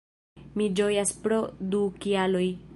Mi ĝojas pro du kialoj